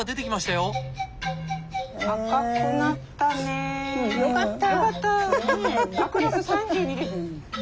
よかった。